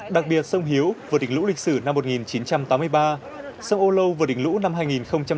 đặc biệt sông hiếu vượt đỉnh lũ lịch sử năm một nghìn chín trăm tám mươi ba sông âu lâu vượt đỉnh lũ năm hai nghìn một mươi